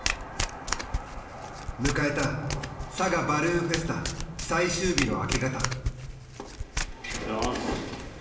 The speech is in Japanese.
迎えた佐賀バルーンフェスタ最終日の明け方。